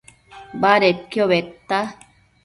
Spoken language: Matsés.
Badedquio bëdta